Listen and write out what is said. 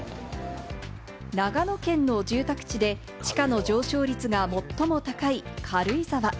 長野県の住宅地で地価の上昇率が最も高い軽井沢。